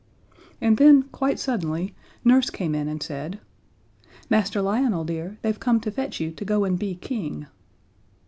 And then, quite suddenly, Nurse came in and said, "Master Lionel, dear, they've come to fetch you to go and be King."